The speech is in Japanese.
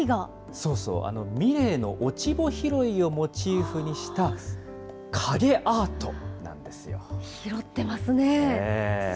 そうそう、ミレーの落穂拾いをモチーフにした、影アートなん拾ってますね。